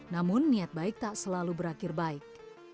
namun niat baik tak selalu berakhir baik